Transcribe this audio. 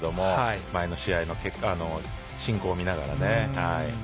前の試合の進行を見ながら。